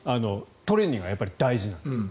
トレーニングはやっぱり大事なんです。